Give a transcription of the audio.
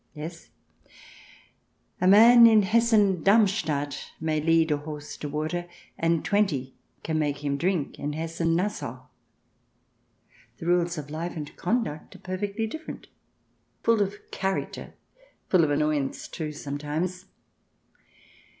Yes, a man in Hessen Darmstadt may lead a horse to water, CH. VII] PRINCES AND PRESCRIPTIONS 103 and twenty can make him drink in Hessen Nassau. The rules of life and conduct are perfectly different, full of character, full of annoyance, too, sometimes.